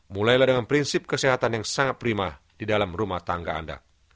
mulailah dengan prinsip kesehatan yang sangat prima di dalam rumah tangga anda